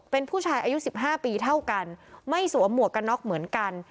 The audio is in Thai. เป็นผู้ชายอายุ๑๕ปีเท่ากันไม่สวมหมวกกันน็อกเหมือนกัน